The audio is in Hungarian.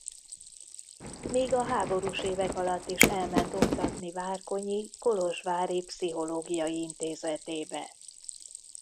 Még a háborús évek alatt is elment oktatni Várkonyi kolozsvári Pszichológiai Intézetébe.